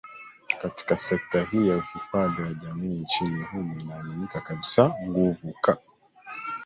katika sekta hii ya uhifadhi wa jamii nchini humu inaaminika kabisa nguvu ka